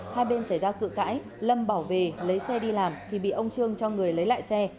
hai bên xảy ra cự cãi lâm bỏ về lấy xe đi làm thì bị ông trương cho người lấy lại xe